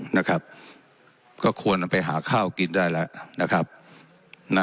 นะครับก็ควรไปหาข้าวกินได้แล้วนะครับนะ